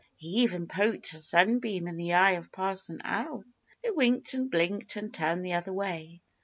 He even poked a sunbeam in the eye of Parson Owl, who winked and blinked and turned the other way.